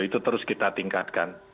itu terus kita tingkatkan